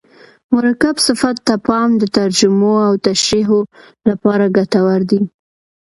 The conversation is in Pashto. مرکب صفت ته پام د ترجمو او تشریحو له پاره ګټور دئ.